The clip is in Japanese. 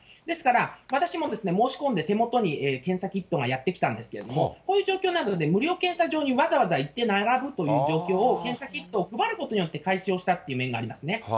ですから、私も申し込んで、手元に検査キットがやって来たんですけれども、こういう状況なので、無料検査場にわざわざ行って並ぶという状況を検査キットを配ることによって、解消したという面がありますね。